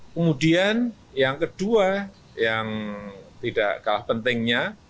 kemudian yang kedua yang tidak kalah pentingnya